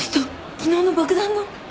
昨日の爆弾の。